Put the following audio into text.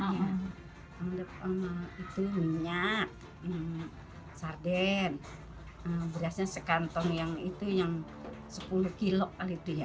kalau itu minyak sarden berasnya sekantong yang itu yang sepuluh kilo kali itu ya